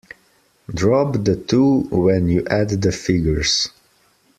Drop the two when you add the figures.